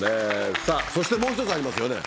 そしてもう１つありますよね。